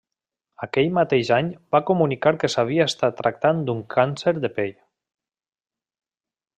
Aquell mateix any va comunicar que s'havia estat tractant d'un càncer de pell.